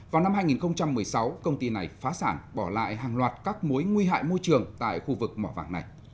vào năm hai nghìn một mươi sáu công ty này phá sản bỏ lại hàng loạt các mối nguy hại môi trường tại khu vực mỏ vàng này